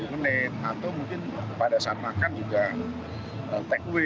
mungkin tiga puluh menit atau mungkin pada saat makan juga take away